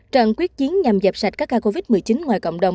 trận quyết chiến nhằm dẹp sạch các ca covid một mươi chín ngoài cộng đồng